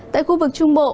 tại khu vực trung bộ